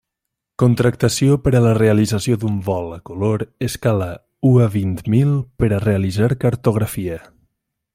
Contractació per a la realització d'un vol a color escala u a vint mil per a realitzar cartografia.